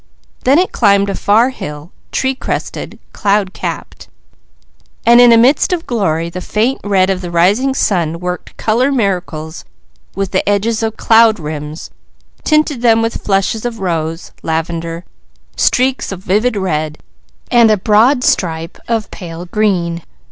Then it climbed a far hill, tree crested, cloud capped, and in a mist of glory the faint red of the rising sun worked colour miracles with the edges of cloud rims, tinted them with flushes of rose, lavender, streaks of vivid red, and a broad stripe of pale green.